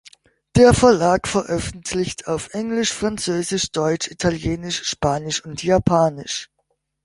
Der Verlag veröffentlicht auf Englisch, Französisch, Deutsch, Italienisch, Spanisch und Japanisch.